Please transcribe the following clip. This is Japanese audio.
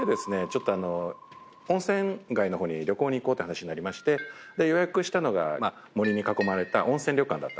ちょっと温泉街の方に旅行に行こうって話になりまして予約したのが森に囲まれた温泉旅館だったんですよ。